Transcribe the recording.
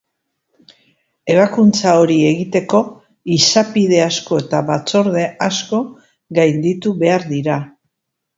Ebakuntza hori egiteko izapide asko eta batzorde asko gainditu behar dira.